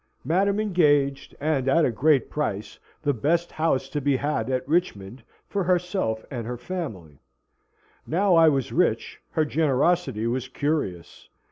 Madam engaged, and at a great price, the best house to be had at Richmond for herself and her family. Now I was rich, her generosity was curious.